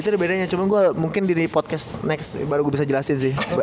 itu ada bedanya cuman gue mungkin di podcast next baru gue bisa jelasin sih